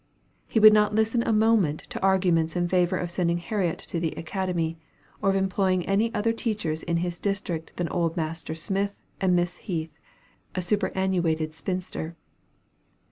He would not listen a moment to arguments in favor of sending Harriet to the academy, or of employing any other teachers in his district than old Master Smith, and Miss Heath, a superanuated spinster.